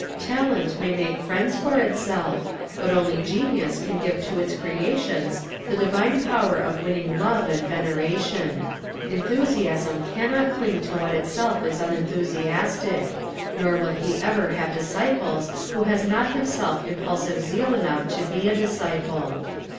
Talent may make friends for itself, but only genius can give to its creations the divine power of winning love and veneration. Enthusiasm cannot cling to what itself is unenthusiastic, nor will he ever have disciples who has not himself impulsive zeal enough to be a disciple.